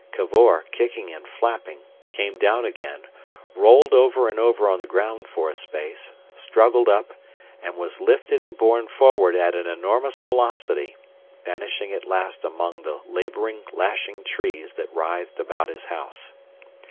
Cavor, kicking and flapping, came down again, rolled over and over on the ground for a space, struggled up and was lifted and borne forward at an enormous velocity, vanishing at last among the labouring, lashing trees that writhed about his house.